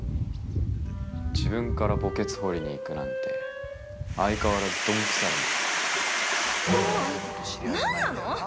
自分から墓穴掘りにいくなんて相変わらず、どんくさいな。